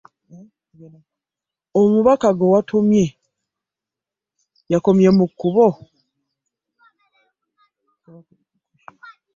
Omubaka gwe watumye yakomye mu kkubo?